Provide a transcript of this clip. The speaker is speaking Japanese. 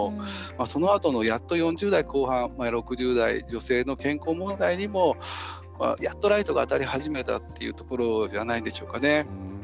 そのあとの、やっと４０代後半６０代女性の健康問題にもやっとライトが当たり始めたというところではないでしょうか。